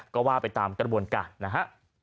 ก็ว่าไปตามกระบวนการนะฮะ